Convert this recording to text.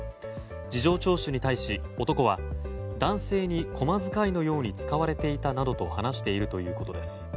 事情聴取に対し男は男性に小間使いのように使われていたなどと話しているということです。